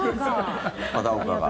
片岡が。